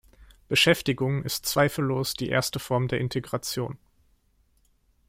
Beschäftigung ist zweifellos die erste Form der Integration.